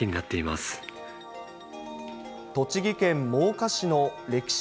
栃木県真岡市の歴史